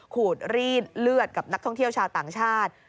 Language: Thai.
ขูดรีดเลือดกับนักท่องเที่ยวชาวต่างชาติ